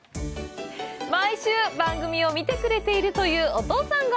毎週、番組を見てくれているというお父さんが。